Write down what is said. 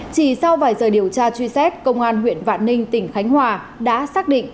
chỉ sau vài giờ điều tra truy xét công an huyện vạn ninh tỉnh khánh hòa đã xác định